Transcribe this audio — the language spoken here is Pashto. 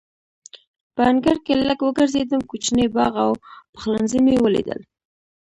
په انګړ کې لږ وګرځېدم، کوچنی باغ او پخلنځی مې ولیدل.